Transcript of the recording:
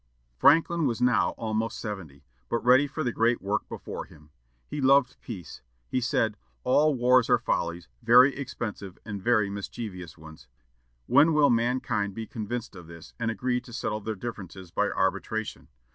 Franklin was now almost seventy, but ready for the great work before him. He loved peace. He said: "All wars are follies, very expensive and very mischievous ones. When will mankind be convinced of this, and agree to settle their differences by arbitration?